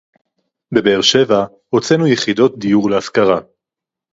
בבאר-שבע הוצאנו יחידות דיור להשכרה